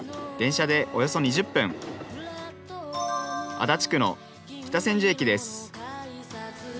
足立区の北千住駅です